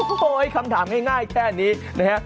โอ้โหคำถามง่ายแค่นี้นะฮะ